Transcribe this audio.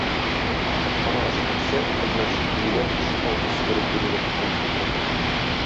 Капканы ачып керсә, хезмәтче диюләр ишек алдын себереп йөриләр тузан туздырып.